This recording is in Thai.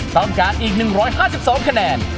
ต้องการอีก๑๕๒คะแนน